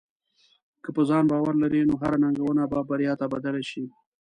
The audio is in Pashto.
که په ځان باور لرې، نو هره ننګونه به بریا ته بدل شي.